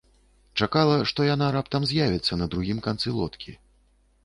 Чакала, што яна раптам з'явіцца на другім канцы лодкі.